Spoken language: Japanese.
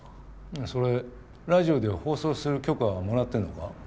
それラジオで放送する許可はもらってんのか？